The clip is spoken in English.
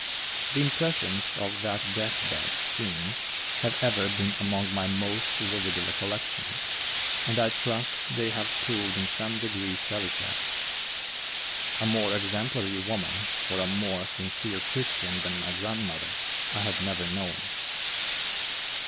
The impressions of that death bed scene have ever been among my most vivid recollections, and I trust they have proved in some degree salutary. A more exemplary woman, or a more sincere Christian than my grandmother, I have never known.